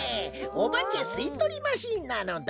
おばけすいとりマシーンなのだ！